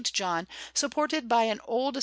John supported by an old S.